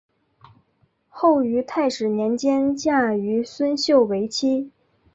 后于泰始年间嫁于孙秀为妻。